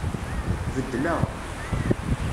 Beddleɣ.